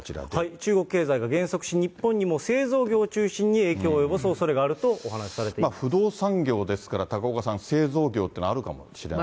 中国経済が減速し、製造業を中心に影響を及ぼすおそれがある不動産業ですから、高岡さん、製造業っていうのはあるかもしれませんね。